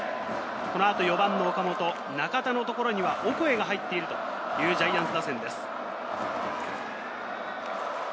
このあと４番の岡本、中田のところにはオコエが入っているというジャイアンツ打線です。